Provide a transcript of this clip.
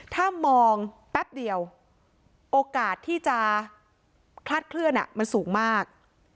ถ้ามองแป๊บเดียวโอกาสที่จะคลาดเคลื่อนมันสูงมาก